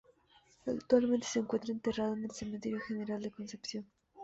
Actualmente se encuentra enterrado en el Cementerio General de Concepción.